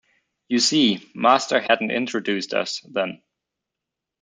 You see, master hadn’t introduced us, then.